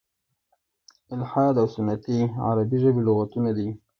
"الحاد او سنتي" عربي ژبي لغتونه دي.